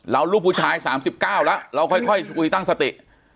ลูกผู้ชาย๓๙แล้วเราค่อยคุยตั้งสติ